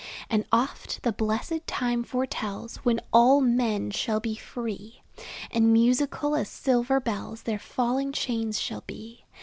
And oft the blessed time foretells When all men shall be free; And musical, as silver bells, Their falling chains shall be.